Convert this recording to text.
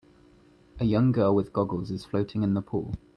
A young girl with goggles is floating in the pool.